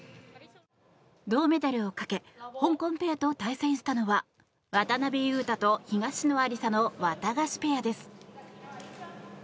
銅メダルをかけ香港ペアと対戦したのは渡辺勇大と東野有紗のワタガシペアです。